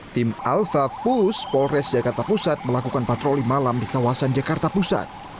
tim alva pus polres jakarta pusat melakukan patroli malam di kawasan jakarta pusat